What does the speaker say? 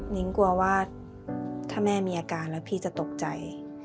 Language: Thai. นิ้งกลัวว่าถ้าแม่มีอาการแล้วพี่จะตกใจ